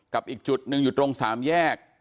กับอีกจุดหนึ่งอยู่ตรง๓แยก